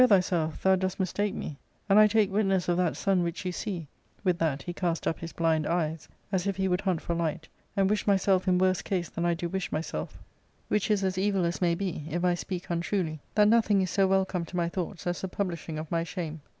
i6i thyself thou doest mistake me ; and I take witness of that sun which you see '— with that he cast up his blind eyes, as if he would hunt for light —* and wish myself in worse case than I do wish myself, which is as evil as may be, if I speak untruly, that nothing is so welcome to my thoughts as the publishing of my shame.